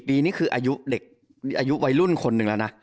ปีนี้คืออายุวัยรุ่นคนหนึ่งแล้วนะ